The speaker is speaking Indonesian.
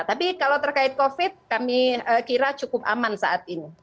tapi kalau terkait covid kami kira cukup aman saat ini